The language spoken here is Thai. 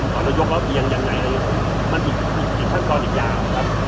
ก็ขนาดรยกหลังอย่างไหนอีกชันพันีอีกอย่าง